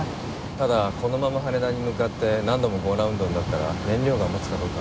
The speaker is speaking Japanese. ただこのまま羽田に向かって何度もゴーアラウンドになったら燃料が持つかどうか。